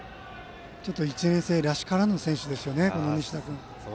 ちょっと１年生らしからぬ選手ですよね、西田君。